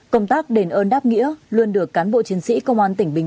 công tác đền ơn đáp nghĩa luôn được cán bộ chiến sĩ công an tỉnh bình